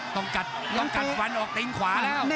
ต้องกัดฝันออกตรงขวาแล้ว